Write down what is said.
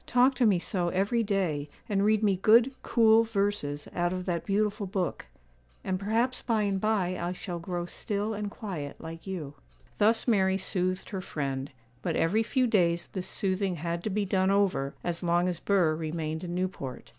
'Talk to me so every day, and read me good, cool verses out of that beautiful book, and perhaps by and by I shall grow still and quiet like you.' Thus Mary soothed her friend; but every few days this soothing had to be done over, as long as Burr remained in Newport.